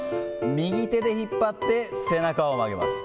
右手で引っ張って、背中を曲げます。